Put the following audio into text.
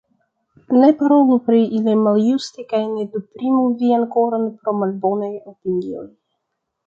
Ne parolu pri ili maljuste kaj ne deprimu vian koron pro malbonaj opinioj.